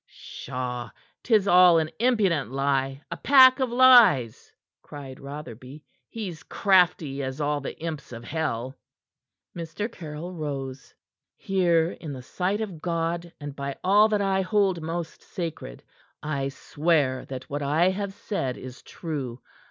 "Pshaw! 'Tis all an impudent lie a pack of lies!" cried Rotherby. "He's crafty as all the imps of hell." Mr. Caryll rose. "Here in the sight of God and by all that I hold most sacred, I swear that what I have said is true.